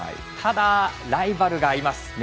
ただライバルがいます。